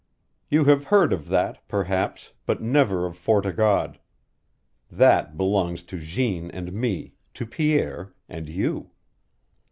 You have heard of that, perhaps, but never of Fort o' God. That belongs to Jeanne and me, to Pierre and you.